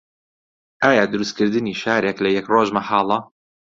ئایا دروستکردنی شارێک لە یەک ڕۆژ مەحاڵە؟